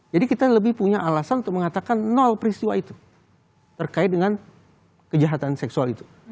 jadi kita lebih punya alasan untuk mengatakan nol peristiwa itu terkait dengan kejahatan seksual itu